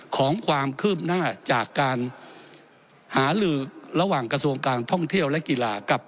ของความคืบหน้าจากการหาลือระหว่างกระทรวงการท่องเที่ยวและกีฬากับ